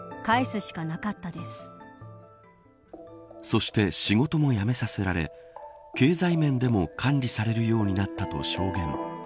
そして、仕事も辞めさせられ経済面でも管理されるようになったと証言。